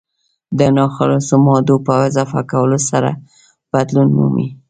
د ناخالصو مادو په اضافه کولو سره بدلون مومي.